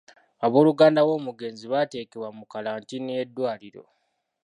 Obooluganda b'omugenzi baateekebwa mu kkalantiini y'eddwaliro.